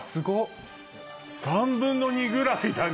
３分の２ぐらいだね。